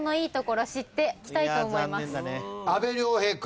阿部亮平君。